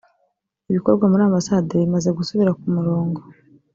ibikorwa muri ambasade bimaze gusubira ku murongo